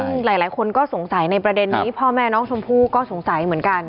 ซึ่งหลายคนก็สงสัยในประเด็นนี้พ่อแม่น้องชมพู่ก็สงสัยเหมือนกัน